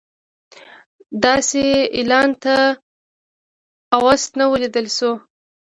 داسې اعلان تر اوسه نه و لیدل شوی.